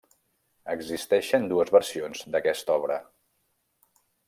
Existeixen dues versions d'aquesta obra.